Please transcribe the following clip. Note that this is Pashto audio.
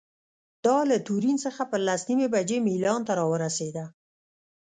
دا له تورین څخه پر لس نیمې بجې میلان ته رارسېده.